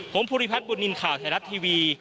ผมภูริพัฒนบุญนินทร์ข่าวไทยรัฐทีวี